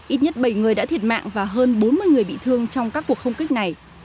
ít nhất bảy người đã thiệt mạng và hơn bốn mươi người bị thương trong các cuộc không kích này